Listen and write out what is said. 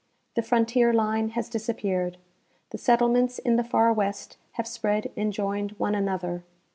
The frontier line has disappeared. The settle ments in the far west have spread and joined one another.